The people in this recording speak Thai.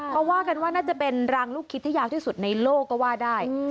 เขาว่ากันว่าน่าจะเป็นรางลูกคิดที่ยาวที่สุดในโลกก็ว่าได้